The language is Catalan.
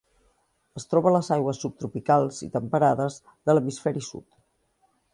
Es troba a les aigües subtropicals i temperades de l'hemisferi sud.